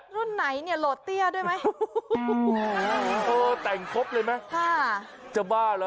รถนี้ลอต้ียาด้วยไงโอ้แต่งครบเลยไหมจ้าบ้าละ